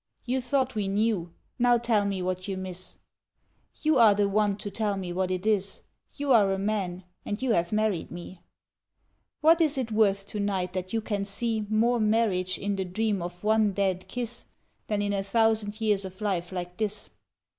You thought we knew, now tell me what you miss : 126 THE WOMAN AND THE WIFE You are the one to tell me what it is — You are a man, and you have married me. What is it worth to night that you can see More marriage in the dream of one dead kiss Than in a thousand years of life like this